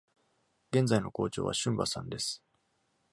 現在の校長はシュンバさんです。